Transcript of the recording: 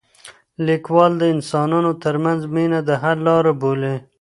لیکوال د انسانانو ترمنځ مینه د حل لاره بولي.